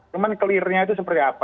cuman kelirnya itu seperti apa